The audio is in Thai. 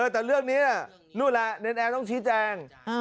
แต่เรื่องนี้นู่นแหละเนรนแอร์ต้องชี้แจง